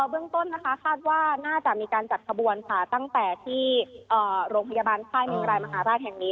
เบื้องต้นนะคะคาดว่าน่าจะมีการจัดขบวนค่ะตั้งแต่ที่โรงพยาบาลค่ายเมงรายมหาราชแห่งนี้